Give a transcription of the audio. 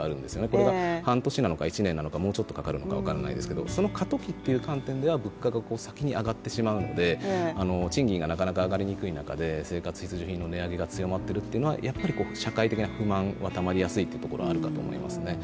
これが半年なのか１年なのかもうちょっとかかるか分からないですが過渡期という意味では物価が上がっていって賃金がなかなか上がりにくい中で、生活必需品の値段が上がっているというのはやっぱり社会的な不満はたまりやすいというところはあると思いますね。